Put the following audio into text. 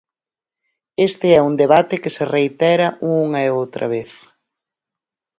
Este é un debate que se reitera unha e outra vez.